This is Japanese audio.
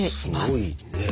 すごいね。